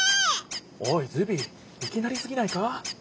おいズビいきなりすぎないか？